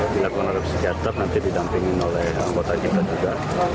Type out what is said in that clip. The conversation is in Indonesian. dilakukan oleh psikiater nanti didampingin oleh anggota kita juga